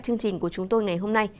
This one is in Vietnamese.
chương trình của chúng tôi ngày hôm nay